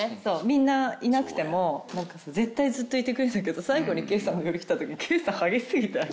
みんないなくても絶対ずっといてくれるんだけど最後に圭さんの寄り来た時に圭さん激し過ぎて。